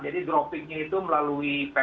jadi droppingnya itu melalui